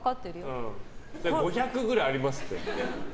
５００ｇぐらいありますって。